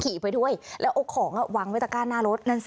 ขี่ไปด้วยแล้วเอาของวางวิตากาหน้ารถ